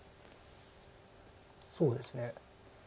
そうですね。